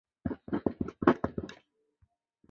中华民国时期仍沿袭清代所置二十旗。